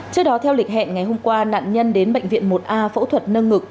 trước đó theo lịch hẹn ngày hôm qua nạn nhân đến bệnh viện một a phẫu thuật nâng ngực